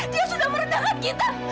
dia sudah merendahkan kita